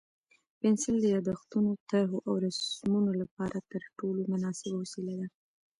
پنسل د یادښتونو، طرحو او رسمونو لپاره تر ټولو مناسبه وسیله ده.